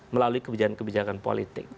melalui kebijakan kebijakan politik